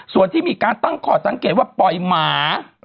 ส่วนที่มีการตั้งข้อสังเกตว่าปล่อยหมา